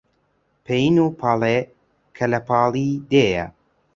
پەین و پاڵێ کە لە پاڵی دێیە